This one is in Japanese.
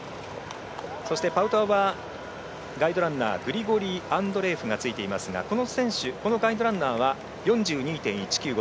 そして、パウトワはガイドランナーグリゴリー・アンドレエフがついていますがこのガイドランナーは４２．１９５